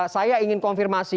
saya ingin konfirmasi